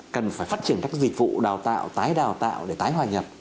cần phải phát triển các dịch vụ đào tạo tái đào tạo để tái hòa nhập